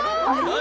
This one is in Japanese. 何？